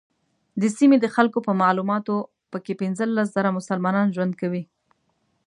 د سیمې د خلکو په معلوماتو په کې پنځلس زره مسلمانان ژوند کوي.